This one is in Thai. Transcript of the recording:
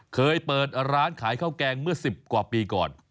เคยเปิดร้านขายข้าวแกงเมื่อ๑๐กว่าปีก่อน